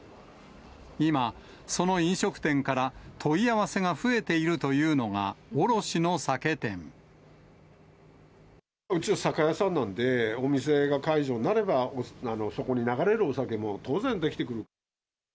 今、その飲食店から、問い合わせが増えているというのが、うちは酒屋さんなんで、お店が解除になれば、そこに流れるお酒も当然できてくる。